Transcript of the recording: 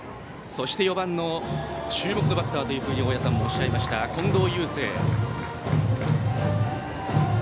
そして４番注目のバッターと大矢さんもおっしゃいました近藤祐星。